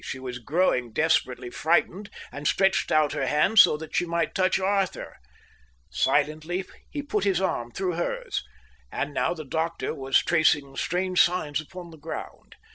She was growing desperately frightened and stretched out her hand so that she might touch Arthur. Silently he put his arm through hers. And now the doctor was tracing strange signs upon the ground.